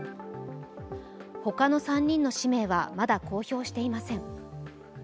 他の３人の氏名はまだ公表していません。